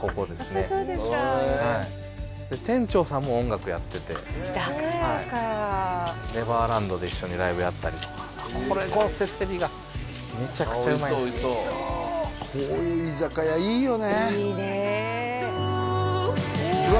やっぱりそうですか店長さんも音楽やっててあっだからかネバーランドで一緒にライブやったりとかこのせせりがめちゃくちゃうまいんですこういう居酒屋いいよねいいねうわ